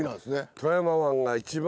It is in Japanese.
富山湾が一番